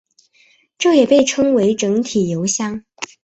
这也被称为整体油箱。